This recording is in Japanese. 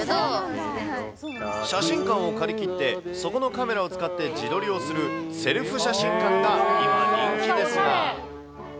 写真館を借り切って、そこのカメラを使って自撮りをする、セルフ写真館が今、人気なんです。